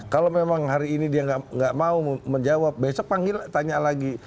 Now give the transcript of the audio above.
kalau memang hari ini dia nggak mau menjawab besok panggil tanya lagi